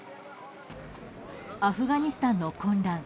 アフガニスタンの混乱。